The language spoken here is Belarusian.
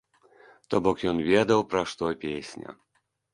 То бок ён ведаў пра што песня.